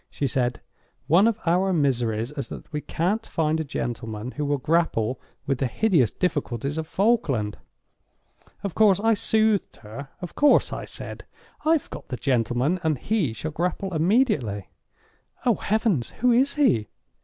She said: 'One of our miseries is that we can't find a gentleman who will grapple with the hideous difficulties of Falkland.' Of course I soothed her. Of course I said: 'I've got the gentleman, and he shall grapple immediately.'—'Oh heavens! who is he?